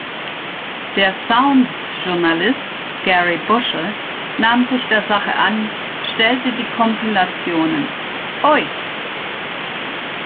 Der "Sounds"-Journalist Garry Bushell nahm sich der Sache an, stellte die Kompilationen "Oi!